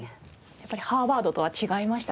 やっぱりハーバードとは違いました？